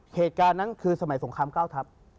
เหตุการณ์นั้นคือสมัยสงคราม๙ทัพ